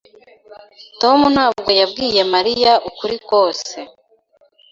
Tom ntabwo yabwiye Mariya ukuri kose.